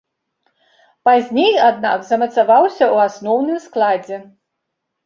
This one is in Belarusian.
Пазней, аднак, замацаваўся ў асноўным складзе.